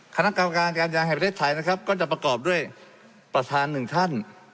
คณะกรรมการการยางแห่งประเทศไทยนะครับก็จะประกอบด้วยประธานหนึ่งท่าน